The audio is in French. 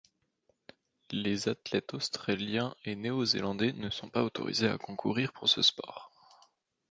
Les athlètes australiens et néo-zélandais ne sont pas autorisés à concourir pour ce sport.